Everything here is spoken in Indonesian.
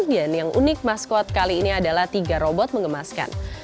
dan yang unik maskot kali ini adalah tiga robot mengemaskan